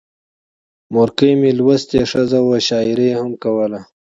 مورکۍ مې لوستې ښځه وه، شاعري یې هم کوله.